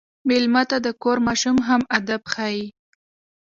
مېلمه ته د کور ماشوم هم ادب ښيي.